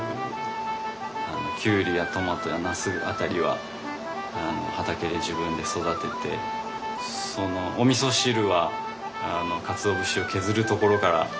キュウリやトマトやナス辺りは畑で自分で育てておみそ汁はかつお節を削るところからさせられたり。